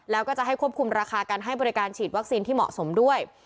แล้วก็จะให้ควบคุมราคาการให้บริการฉีดวัคซีนที่เหมาะสมด้วย